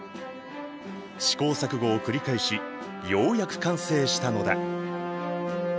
試行錯誤を繰り返しようやく完成したのだ。